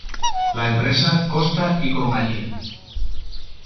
La empresa Costa y Cía.